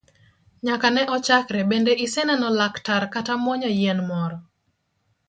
Nyaka ne ochakre bende iseneno laktar kata muonyo yien moro?